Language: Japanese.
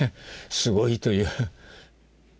「すごい！」という。